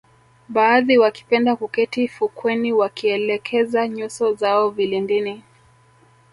Baadhi wakipenda kuketi fukweni wakielekeza nyuso zao vilindini